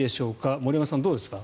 森山さん、どうですか？